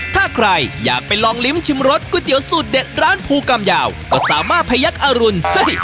ถ้าใครอยากไปลองลิ้มชิมรสก๋วยเตี๋ยวสูตรเด็ดร้านภูกรรมยาวก็สามารถพยักอรุณเฮ้ย